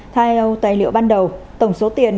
theo tài liệu ban đầu tổng số tiền